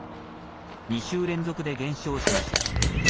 ２週連続で減少しました。